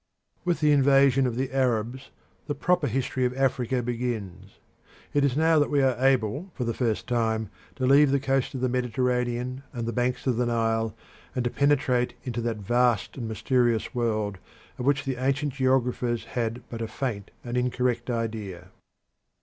With the invasion of the Arabs the proper history of Africa begins. It is now that we are able for the first time to leave the coasts of the Mediterranean and the banks of the Nile, and to penetrate into that vast and mysterious world of which the ancient geographers had but a faint and incorrect idea.